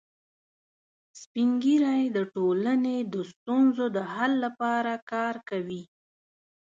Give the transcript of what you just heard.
سپین ږیری د ټولنې د ستونزو د حل لپاره کار کوي